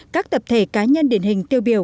các tập thể cá nhân điển hình tiêu biểu